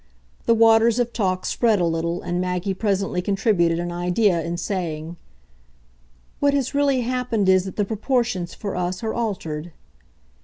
The waters of talk spread a little, and Maggie presently contributed an idea in saying: "What has really happened is that the proportions, for us, are altered."